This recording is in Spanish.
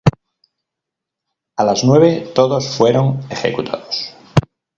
A las nueve todos fueron ejecutados.